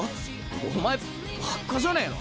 お前バッカじゃねの？